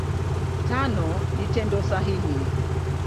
Tano ni Tendo sahihi.